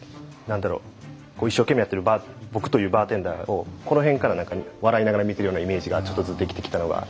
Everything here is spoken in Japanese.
一生懸命やってる僕というバーテンダーをこの辺から笑いながら見てるようなイメージがちょっとずつできてきたのが。